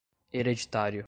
hereditário